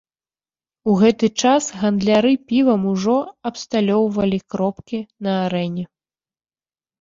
У гэты час гандляры півам ужо абсталёўвалі кропкі на арэне.